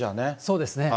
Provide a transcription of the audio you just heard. そうですね。